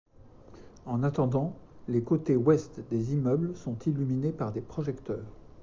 En attendant, les côtés ouest des immeubles sont illuminés par des projecteurs.